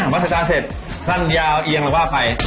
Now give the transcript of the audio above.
วัดสายตาเสร็จชั้นยาวเหยียงเราว่าไป